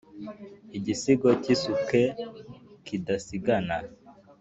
Igisigo cyisuke kidasigana